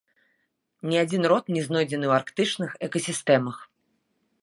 Ні адзін род не знойдзены ў арктычных экасістэмах.